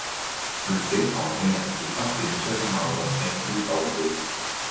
唔少旁聽人士不斷追鬧律政司代表